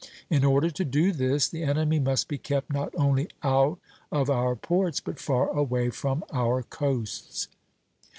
In order to do this, the enemy must be kept not only out of our ports, but far away from our coasts.